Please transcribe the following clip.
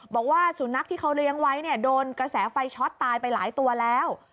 บอกว่าสุนัขที่เขาเลี้ยงไว้เนี่ยโดนกระแสไฟช็อตตายไปหลายตัวแล้ว